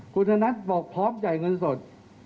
คุณธนัทบอกพร้อมจ่ายเงินสด